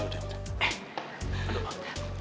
eh duduk pak